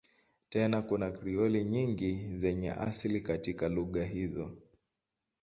Tena kuna Krioli nyingi zenye asili katika lugha hizo.